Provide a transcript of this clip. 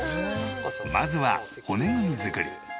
まずは骨組み作り。